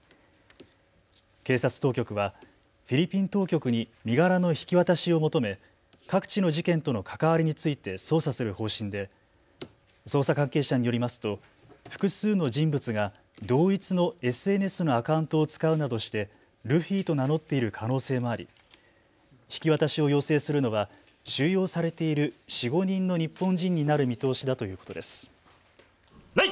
警察当局はフィリピン当局に身柄の引き渡しを求め各地の事件との関わりについて捜査する方針で捜査関係者によりますと複数の人物が同一のＳＮＳのアカウントを使うなどしてルフィと名乗っている可能性もあり引き渡しを要請するのは収容されている４、５人の日本人になる見通しだということです。